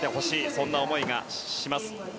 そんな思いがします。